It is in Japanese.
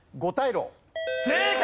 正解！